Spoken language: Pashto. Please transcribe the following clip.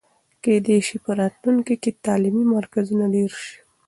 کېدای سي په راتلونکي کې تعلیمي مرکزونه ډېر سي.